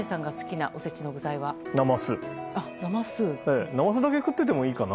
なますだけ食っててもいいかな。